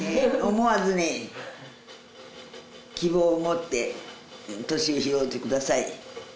思わずに希望を持って年を拾うてください